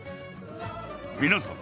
皆さん